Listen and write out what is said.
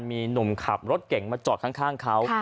มีหนุ่มขับรถเก่งมาจอดข้างเขา